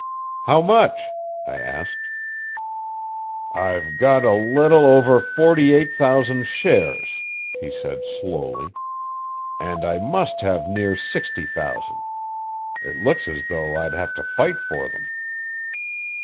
"How much?" I asked. "I've got a little over forty eight thousand shares," he said slowly, "and I must have near sixty thousand. It looks as though I'd have to fight for them."